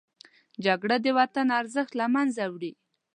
جګړه د وطن ارزښت له منځه وړي